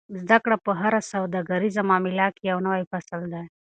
زده کړه په هره سوداګریزه معامله کې یو نوی فصل دی.